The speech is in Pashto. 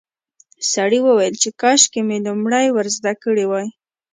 سړي وویل چې کاشکې مې لومړی ور زده کړي وای.